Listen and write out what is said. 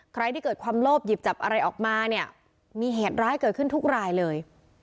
ใครที่เกิดความโลภหยิบจับอะไรออกมาเนี่ยมีเหตุร้ายเกิดขึ้นทุกรายเลย